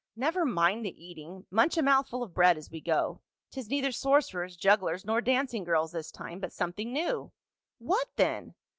" Never mind the eating, munch a mouthful of bread as we go ; 'tis neither sorcerers, jugglers, nor dancing girls this time, but something new." "What then?"